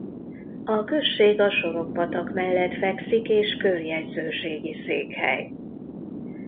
A község a Sorok patak mellett fekszik és körjegyzőségi székhely.